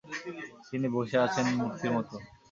তিনি বসে আছেন মূর্তির মতো।